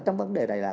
trong vấn đề này là